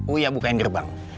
uya bukain gerbang